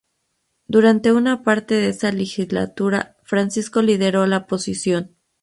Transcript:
Durante una parte de esa legislatura Francisco lideró la oposición.